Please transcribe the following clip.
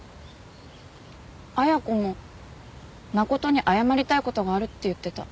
恵子も真琴に謝りたい事があるって言ってた。